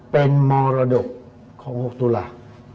เป็นมรดกของ๖ตุลา